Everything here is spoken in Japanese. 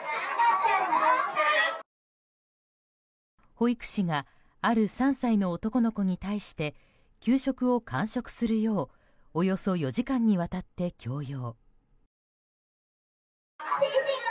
保育士がある３歳の男に対して給食を完食するようおよそ４時間にわたって強要。